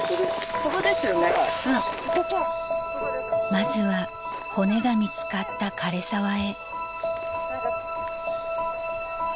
［まずは骨が見つかった枯れ沢へ］